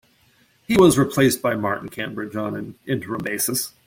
He was replaced by Martin Cambridge on an interim basis.